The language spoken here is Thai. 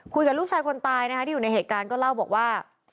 คุยกับลูกชายคนตายนะคะที่อยู่ในเหตุการณ์ก็เล่าบอกว่า